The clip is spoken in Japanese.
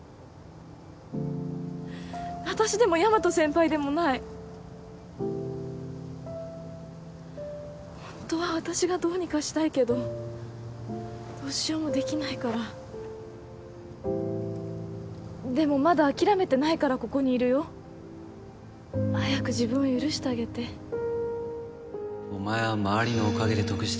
私でも大和先輩でもないホントは私がどうにかしたいけどどうしようもできないからでもまだ諦めてないからここにいるよ早く自分を許してあげてお前は周りのおかげで得して